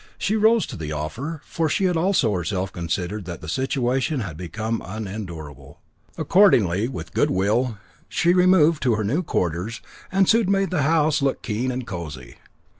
She rose to the offer, for she had also herself considered that the situation had become unendurable. Accordingly, with goodwill, she removed to her new quarters, and soon made the house look keen and cosy.